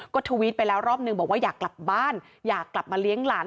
ก็ทวิตไปแล้วรอบนึงบอกว่าอยากกลับบ้านอยากกลับมาเลี้ยงหลาน